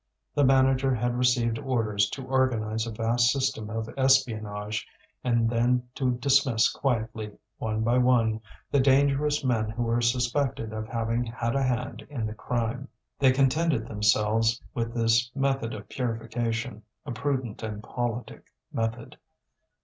The manager had received orders to organize a vast system of espionage, and then to dismiss quietly, one by one, the dangerous men who were suspected of having had a hand in the crime. They contented themselves with this method of purification a prudent and politic method.